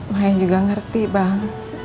maik juga ngerti bang